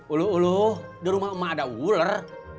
ulu ulu di rumah emak ada ular